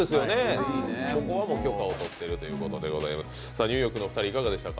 そこは許可をとってるということでございます。